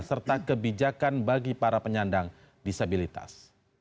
serta kebijakan bagi para penyandang disabilitas